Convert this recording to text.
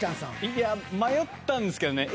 いや迷ったんですけどね。